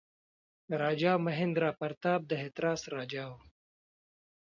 راجا مهیندراپراتاپ د هتراس راجا وو.